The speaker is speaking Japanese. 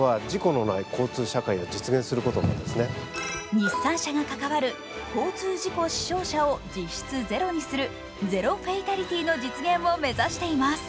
日産車が関わる交通事故死傷者を実質ゼロにするゼロ・フェイタリティの実現を目指しています。